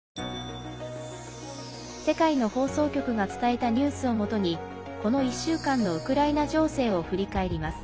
世界の放送局が伝えたニュースをもとにこの１週間のウクライナ情勢を振り返ります。